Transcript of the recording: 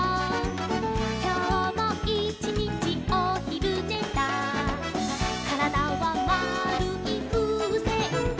「きょうもいちにちおひるねだ」「からだはまるいふうせんで」